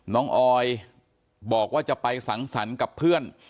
ออยบอกว่าจะไปสังสรรค์กับเพื่อน